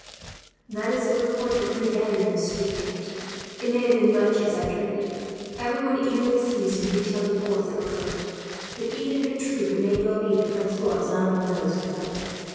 "That is the report that Pierre gathered in the street, aunt. It may have been exaggerated. Everyone eagerly seized and retailed the reports that were current. But even if true, it may well be that Francois is not among those who fell.